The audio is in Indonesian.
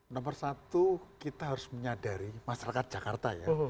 nomor satu kita harus menyadari masyarakat jakarta ya